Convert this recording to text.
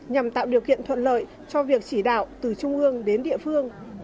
nhằm tạo điều kiện thuận lợi cho việc chỉ đạo từ trung ương đến địa phương